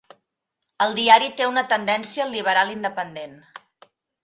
El diari té una tendència liberal independent.